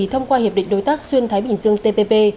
thông qua hiệp định đối tác xuyên thái bình dương tpp